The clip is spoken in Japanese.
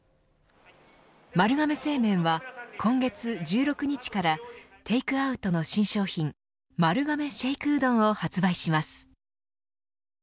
丸亀製麺は今月１６日からテイクアウトの新商品丸亀シェイクうどんを発売します。